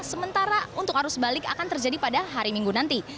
sementara untuk arus balik akan terjadi pada hari minggu nanti